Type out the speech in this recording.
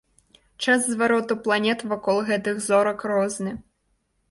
Час звароту планет вакол гэтых зорак розны.